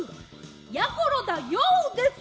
やころだＹＯ！です。